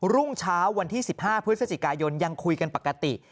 รุ่งเช้าวันที่๑๕พฤศจิกายนยังคุยกันปกติ